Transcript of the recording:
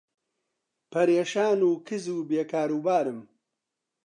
پەرێشان و کزم بێ کاروبارم